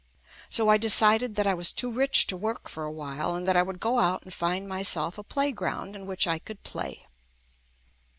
So I decided that I was too rich to work for a while and that I would go out and find myself a playground in which I could play.